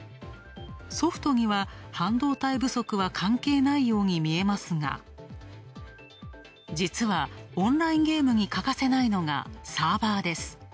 ソフトには半導体不足は関係ないように見えますが、実は、オンラインゲームに欠かせないのがサーバーです。